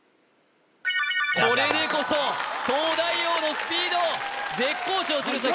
これでこそ東大王のスピード絶好調鶴崎